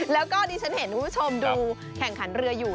แล้วก็ดิฉันเห็นคุณผู้ชมดูแข่งขันเรืออยู่